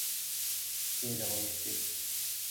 পেয়ে যাবো নিশ্চিত।